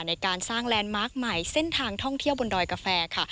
ในการสร้างแลนด์มาร์คใหม่เส้นทางท่องเที่ยวบนดอยกาแฟค่ะ